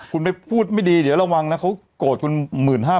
คุณพูดไม่ดีเดี๋ยวระวังนะเขากดคุณ๑๕๐๐๐นะแม่หรอ